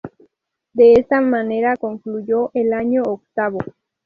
De esta manera, concluyó el año octavo.